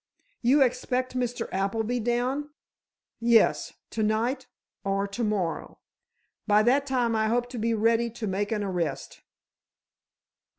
"You expect Mr. Appleby down?" "Yes; to night or to morrow. By that time I hope to be ready to make an arrest."